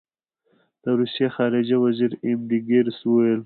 د روسیې خارجه وزیر ایم ډي ګیرس وویل.